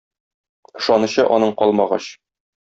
Ышанычы аның калмагач.